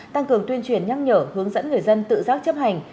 tăng cường tuyên truyền nhắc nhở hướng dẫn người dân tự giác chấp hành